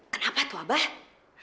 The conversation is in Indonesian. kenapa tuh abah